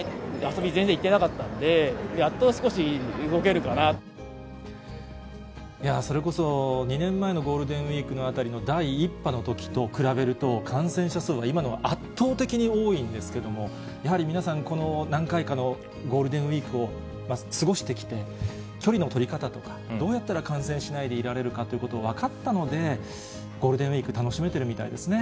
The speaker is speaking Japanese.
遊び全然行ってなかったので、いやー、それこそ２年前のゴールデンウィークあたりの第１波のときと比べると、感染者数は今のほうが圧倒的に多いんですけども、やはり皆さん、この何回かのゴールデンウィークを過ごしてきて、距離の取り方とか、どうやったら感染しないでいられるかということを分かったので、ゴールデンウィーク、楽しめてるみたいですね。